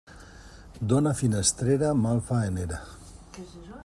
Dona finestrera, malfaenera.